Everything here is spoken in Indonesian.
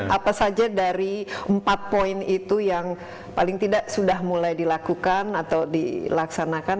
apa saja dari empat poin itu yang paling tidak sudah mulai dilakukan atau dilaksanakan